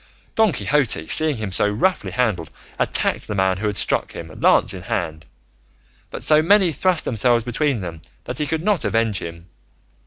Don Quixote, seeing him so roughly handled, attacked the man who had struck him lance in hand, but so many thrust themselves between them that he could not avenge him.